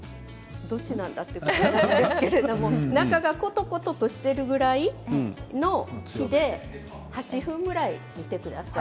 どっちなんだという感じですけれども中がことこととしているぐらいの火で８分ぐらい煮てください。